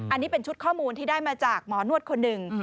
อันนี้เป็นชุดข้อมูลที่ได้มาจากหมอนวดคนหนึ่ง